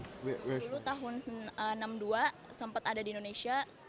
dulu tahun enam puluh dua sempat ada di indonesia